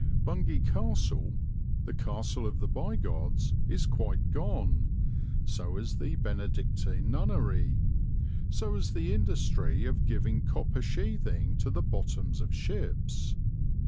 Bungay Castle, the castle of the Bigods, is quite gone; so is the Benedictine nunnery; so is the industry of giving copper sheathing to the bottoms of ships.